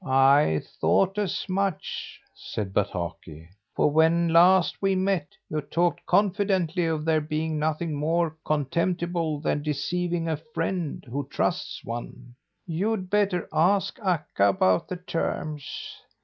"I thought as much," said Bataki; "for when last we met, you talked confidently of there being nothing more contemptible than deceiving a friend who trusts one. You'd better ask Akka about the terms.